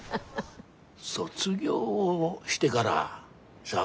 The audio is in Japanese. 卒業をしてからさあ